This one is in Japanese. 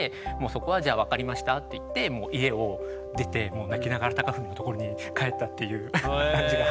そこは「じゃあわかりました」って言って家を出てもう泣きながら貴文のところに帰ったっていう感じが。